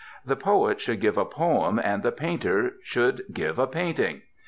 The poet should give a poem and the painter should give a painting.